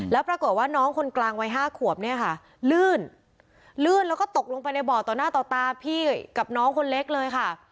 แล้วปรากฏว่าน้องคนกลางวัย๕ขวบเนี่ยค่ะลื่นลื่นแล้วก็ตกลงไปในบ่อต่อหน้าต่อตาพี่กับน้องคนเล็กเลยค่ะ